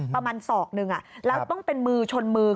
ประมาณ๒นึงแล้วต้องเป็นมือชนมือ